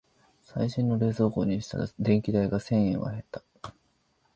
最新の冷蔵庫にしたら電気代が千円は減った